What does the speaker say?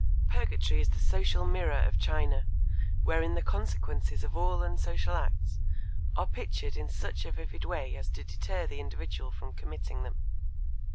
Purgatory is the social mirror of China, wherein the consequences of all unsocial acts are pictured in such a vivid way as to deter the individual from committing them.